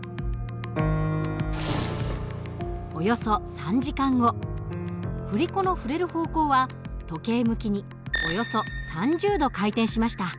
およそ３時間後振り子の振れる方向は時計向きにおよそ３０度回転しました。